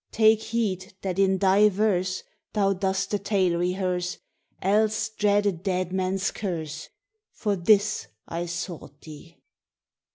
Take heed, that in thy verse Thou dost the tale rehearse, Else dread a dead man's curse For this I sought thee.